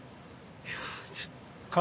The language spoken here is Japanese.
いやちょっと。